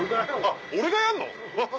俺がやんの？